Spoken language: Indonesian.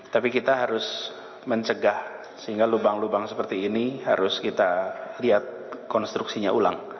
tapi kita harus mencegah sehingga lubang lubang seperti ini harus kita lihat konstruksinya ulang